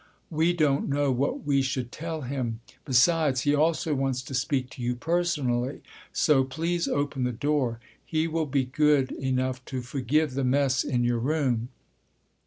We don't know what we should tell him. Besides, he also wants to speak to you personally. So please open the door. He will be good enough to forgive the mess in your room."